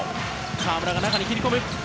河村が中に切り込む。